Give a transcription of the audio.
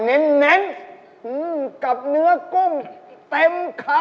เป็นไก่ป๊อบ